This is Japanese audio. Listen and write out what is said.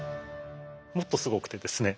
もっとすごくてですね。